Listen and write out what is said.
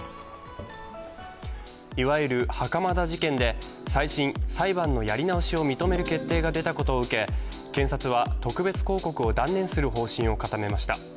いわゆる袴田事件で再審＝裁判のやり直しを認める決定が出たことを受け、検察は特別抗告を断念する方針を固めました。